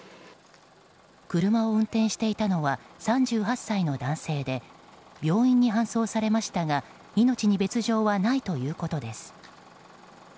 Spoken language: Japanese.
車を運転していたのは３８歳の男性で病院に搬送されましたが命に別条はないということです。